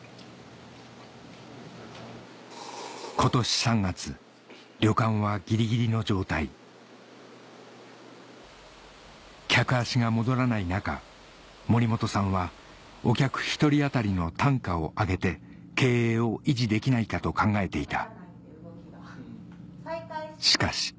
今年３月旅館はぎりぎりの状態客足が戻らない中森本さんはお客１人当たりの単価を上げて経営を維持できないかと考えていた